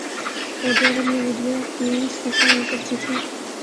سعودی عرب نے video games FIFA World Cup جیت لیا